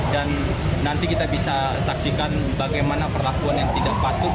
dan nanti kita bisa saksikan bagaimana perlakuan yang tidak patut